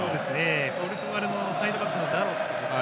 ポルトガルのサイドバックのダロットですか。